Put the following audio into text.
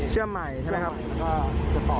เชื่อมใหม่ใช่ไหมครับ